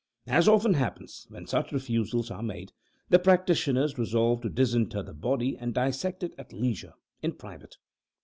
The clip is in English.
As often happens, when such refusals are made, the practitioners resolved to disinter the body and dissect it at leisure, in private.